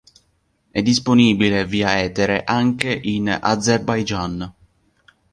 È disponibile via etere anche in Azerbaigian.